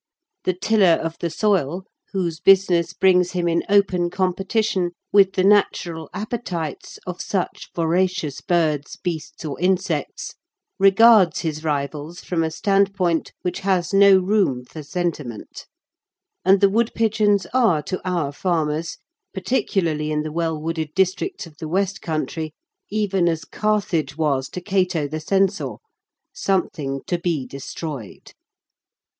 The tiller of the soil, whose business brings him in open competition with the natural appetites of such voracious birds, beasts, or insects, regards his rivals from a standpoint which has no room for sentiment; and the woodpigeons are to our farmers, particularly in the well wooded districts of the West Country, even as Carthage was to Cato the Censor, something to be destroyed.